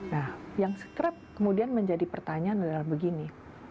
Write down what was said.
nah yang sekerap kemudian menjadi pertanyaan adalah begini